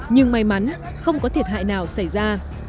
nhưng may mắn không có thiệt hại nào xảy ra